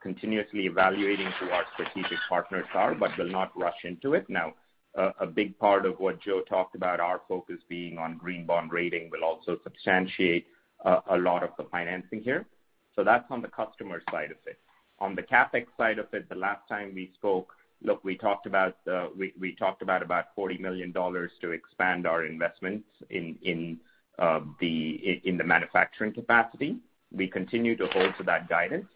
continuously evaluating who our strategic partners are but will not rush into it. A big part of what Joe talked about, our focus being on green bond rating will also substantiate a lot of the financing here. That's on the customer side of it. On the CapEx side of it, the last time we spoke, look, we talked about $40 million to expand our investments in the manufacturing capacity. We continue to hold to that guidance.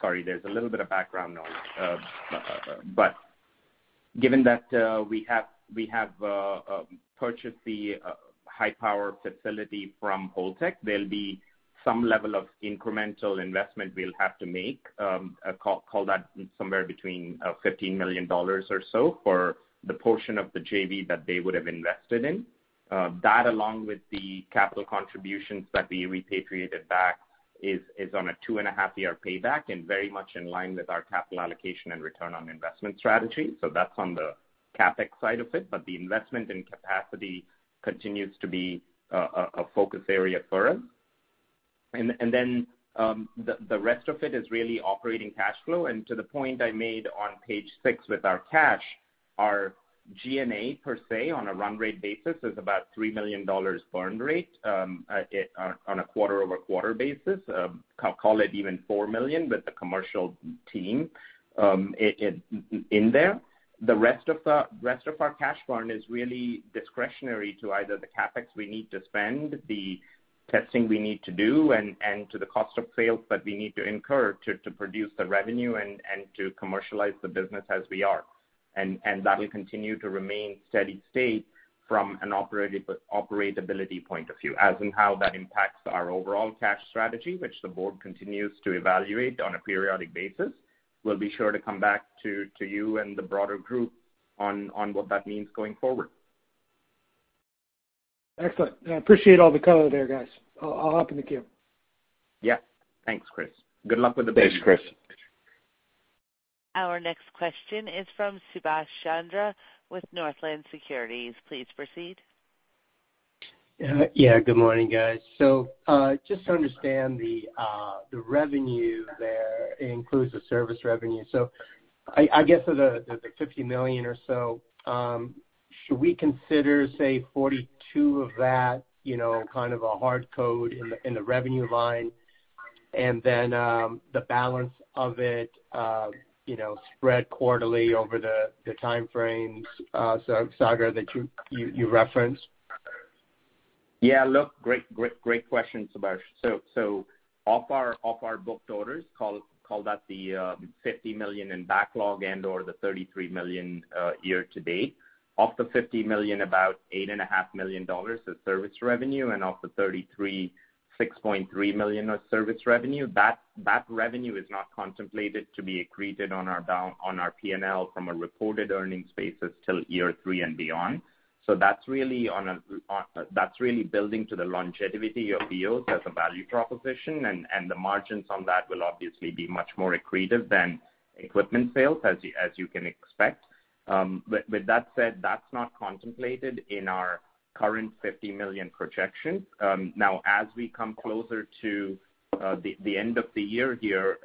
Sorry, there's a little bit of background noise. Given that we have purchased the HI-POWER facility from Holtec, there'll be some level of incremental investment we'll have to make, call that somewhere between $15 million or so for the portion of the JV that they would have invested in. That, along with the capital contributions that we repatriated back, is on a 2.5-year payback and very much in line with our capital allocation and return on investment strategy. That's on the CapEx side of it. The investment in capacity continues to be a focus area for us. Then the rest of it is really operating cash flow. To the point I made on page six with our cash, our G&A per se, on a run rate basis is about $3 million burn rate on a quarter-over-quarter basis. Call it even $4 million with the commercial team in there. The rest of our cash burn is really discretionary to either the CapEx we need to spend, the testing we need to do, and to the cost of sales that we need to incur to produce the revenue and to commercialize the business as we are. That will continue to remain steady state from an operability point of view. [inaudible] That impacts our overall cash strategy, which the board continues to evaluate on a periodic basis, we'll be sure to come back to you and the broader group on what that means going forward. Excellent. I appreciate all the color there, guys. I'll hop in the queue. Yeah. Thanks, Chris. Thanks, Chris. Our next question is from Subash Chandra with Northland Securities. Please proceed. Good morning, guys. Just to understand, the revenue there includes the service revenue. I guess of the $50 million or so, should we consider, say, $42 of that, kind of a hard code in the revenue line, and then the balance of it spread quarterly over the time frames, Sagar, that you referenced? Yeah, look, great question, Subash. Off our booked orders, call that the $50 million in backlog and/or the $33 million year to date. Of the $50 million, about $8.5 million is service revenue, and of the $33, $6.3 million of service revenue. That revenue is not contemplated to be accreted on our P&L from a reported earnings basis till year three and beyond. That's really building to the longevity of Eos as a value proposition, and the margins on that will obviously be much more accretive than equipment sales, as you can expect. With that said, that's not contemplated in our current $50 million projection. As we come closer to the end of the year here,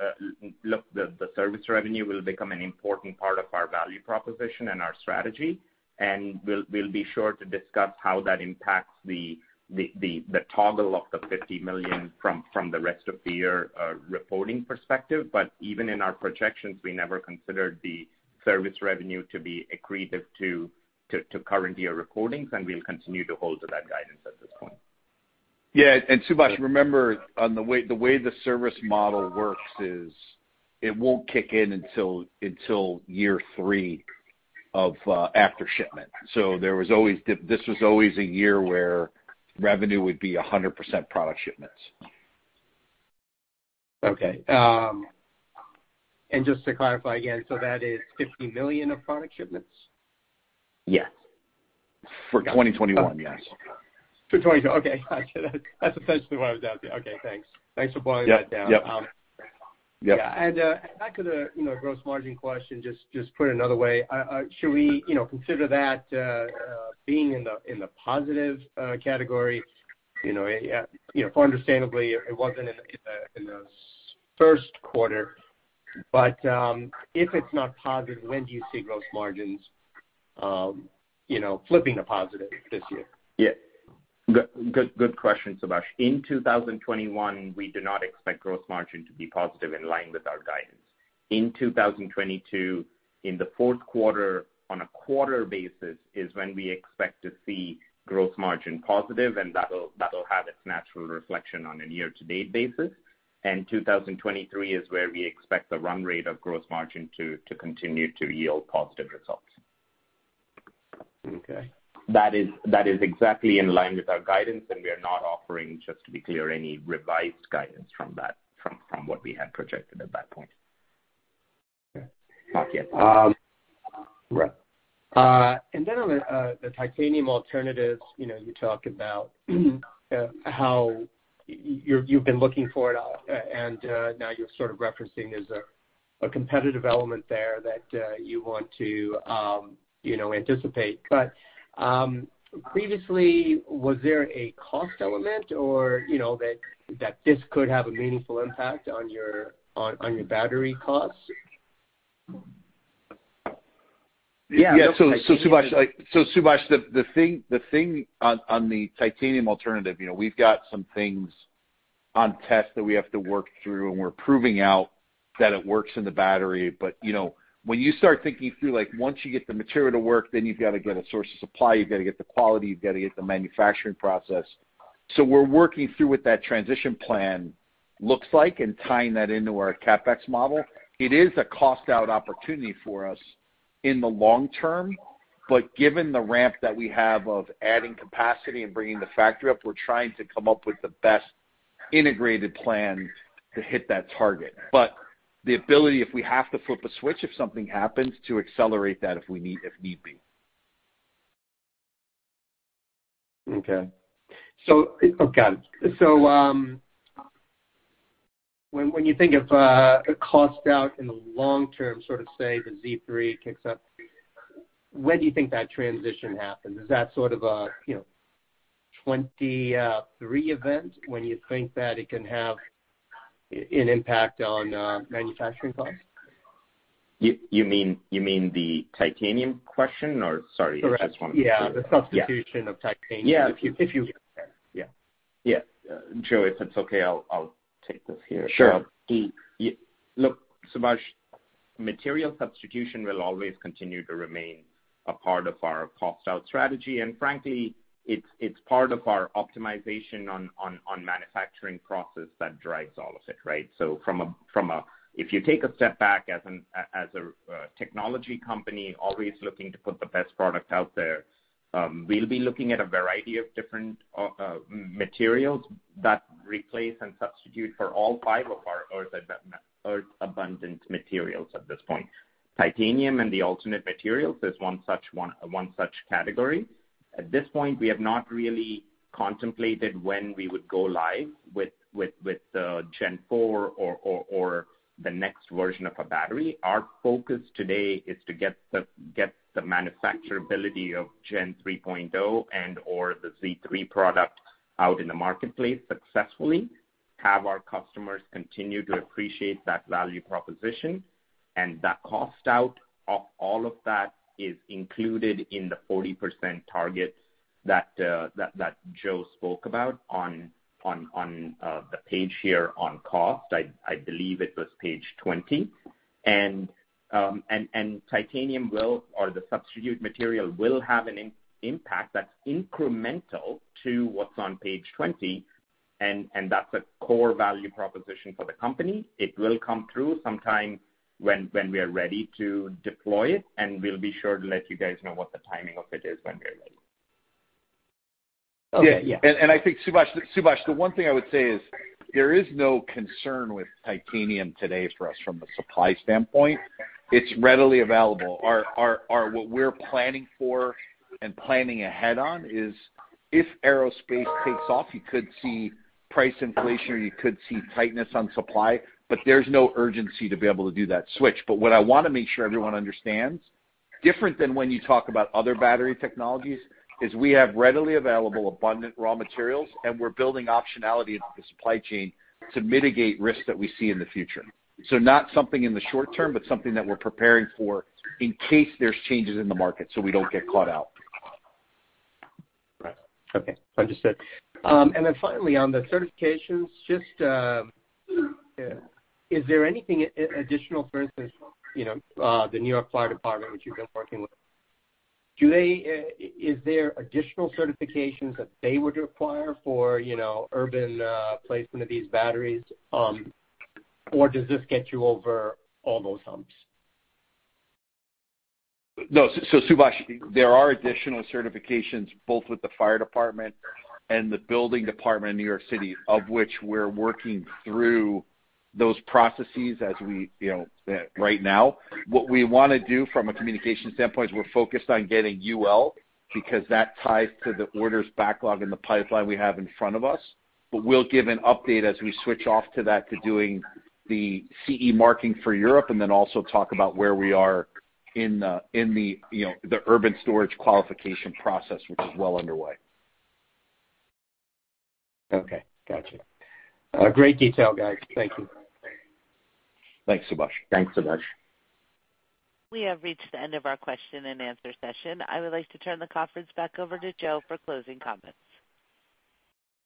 look, the service revenue will become an important part of our value proposition and our strategy, and we'll be sure to discuss how that impacts the toggle of the $50 million from the rest of the year reporting perspective. Even in our projections, we never considered the service revenue to be accretive to current year earnings, and we'll continue to hold to that guidance at this point. Subash, remember the way the service model works is it won't kick in until year three of after shipment. This was always a year where revenue would be 100% product shipments. Okay. Just to clarify again, that is $50 million of product shipments? Yes. For 2021, yes. For 2021. Okay. That's essentially what I was asking. Okay, thanks. Thanks for boiling that down. Yep. Yeah. Back to the gross margin question, just put another way, should we consider that being in the positive category? Understandably, it wasn't in the first quarter. If it's not positive, when do you see gross margins flipping to positive this year? Yeah. Good question, Subash. In 2021, we do not expect gross margin to be positive in line with our guidance. In 2022, in the fourth quarter, on a quarter basis, is when we expect to see gross margin positive, and that'll have its natural reflection on a year-to-date basis. 2023 is where we expect the run rate of gross margin to continue to yield positive results. Okay. That is exactly in line with our guidance. We are not offering, just to be clear, any revised guidance from what we had projected at that point. Okay. Not yet. Right. On the titanium alternatives, you talk about how you've been looking for it, and now you're sort of referencing there's a competitive element there that you want to anticipate. Previously, was there a cost element, or that this could have a meaningful impact on your battery costs? Yeah. Subash, the thing on the titanium alternative, we've got some things on test that we have to work through, and we're proving out that it works in the battery. When you start thinking through once you get the material to work, then you've got to get a source of supply, you've got to get the quality, you've got to get the manufacturing process. We're working through what that transition plan looks like and tying that into our CapEx model. It is a cost-out opportunity for us in the long term but given the ramp that we have of adding capacity and bringing the factory up, we're trying to come up with the best integrated plan to hit that target. The ability, if we have to flip a switch if something happens, to accelerate that if need be. Okay. Got it. When you think of a cost out in the long term, say the Z3 kicks up, when do you think that transition happens? Is that sort of a 2023 event when you think that it can have an impact on manufacturing costs? You mean the titanium question, or sorry, I just wanted to be clear. Correct. Yeah, the substitution of titanium. Yeah. If you. Yeah. Yeah. Joe, if it's okay, I'll take this here. Sure. Look, Subash, material substitution will always continue to remain a part of our cost-out strategy. Frankly, it's part of our optimization on manufacturing process that drives all of it, right? If you take a step back as a technology company always looking to put the best product out there, we'll be looking at a variety of different materials that replace and substitute for all five of our earth-abundant materials at this point. Titanium and the alternate materials is one such category. At this point, we have not really contemplated when we would go live with the Gen4 or the next version of a battery. Our focus today is to get the manufacturability of Gen 3.0 and/or the Z3 product out in the marketplace successfully, have our customers continue to appreciate that value proposition. That cost out of all of that is included in the 40% targets that Joe spoke about on the page here on cost. I believe it was page 20. Titanium will, or the substitute material will have an impact that's incremental to what's on page 20, and that's a core value proposition for the company. It will come through sometime when we are ready to deploy it, and we'll be sure to let you guys know what the timing of it is when we are ready. Okay, yeah. I think, Subash, the one thing I would say is there is no concern with titanium today for us from a supply standpoint. It's readily available. What we're planning for and planning ahead on is if aerospace takes off, you could see price inflation, or you could see tightness on supply, but there's no urgency to be able to do that switch. What I want to make sure everyone understands, different than when you talk about other battery technologies, is we have readily available abundant raw materials, and we're building optionality into the supply chain to mitigate risks that we see in the future. Not something in the short term, but something that we're preparing for in case there's changes in the market, so we don't get caught out. Right. Okay. Understood. Finally, on the certifications, just is there anything additional, for instance, the New York Fire Department, which you've been working with, is there additional certifications that they would require for urban placement of these batteries, or does this get you over all those humps? No. Subash, there are additional certifications both with the Fire Department and the building department in New York City, of which we're working through those processes. What we want to do from a communication standpoint is we're focused on getting UL because that ties to the orders backlog and the pipeline we have in front of us. We'll give an update as we switch off to that, to doing the CE marking for Europe, and then also talk about where we are in the urban storage qualification process, which is well underway. Okay. Got you. Great detail, guys. Thank you. Thanks, Subash. Thanks, Subash. We have reached the end of our question-and-answer session. I would like to turn the conference back over to Joe for closing comments.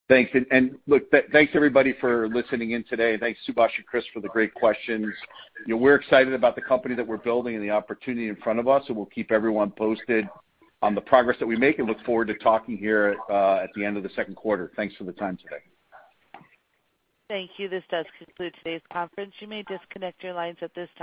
Thanks. Look, thanks everybody for listening in today. Thanks, Subash and Chris, for the great questions. We're excited about the company that we're building and the opportunity in front of us. We'll keep everyone posted on the progress that we make and look forward to talking here at the end of the second quarter. Thanks for the time today. Thank you. This does conclude today's conference. You may disconnect your lines at this time.